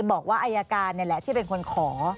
บอกว่าอายการนี่แหละที่เป็นคนขอ